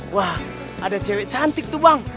wah ada cewek cantik tuh bang